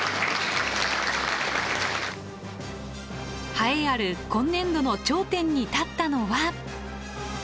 栄えある今年度の頂点に立ったのは。